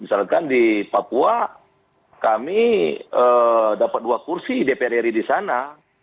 misalkan di papua kami dapat dua kursi dpr ri di sana